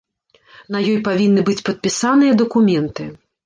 На ёй павінны быць падпісаныя дакументы.